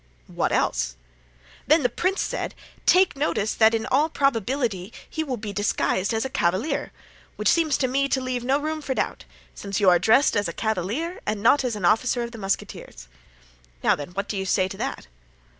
"What else?" "Then the prince said: 'Take notice that in all probability he will be disguised as a cavalier;' which seems to me to leave no room for doubt, since you are dressed as a cavalier and not as an officer of musketeers. Now then, what do you say to that?"